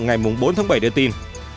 ngày bốn tháng bảy đưa tin